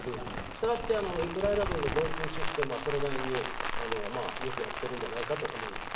したがってウクライナ軍の防空システムはそれなりによくやってるんじゃないかと思います。